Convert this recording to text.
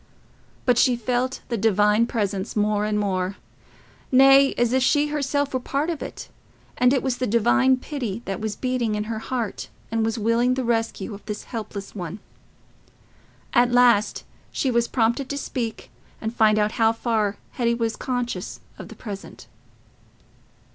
But she felt the Divine presence more and more—nay, as if she herself were a part of it, and it was the Divine pity that was beating in her heart and was willing the rescue of this helpless one. At last she was prompted to speak and find out how far Hetty was conscious of the present.